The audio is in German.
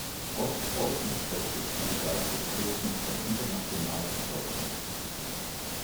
Ostpreußen prägte viele Geistesgrößen von internationaler Bedeutung.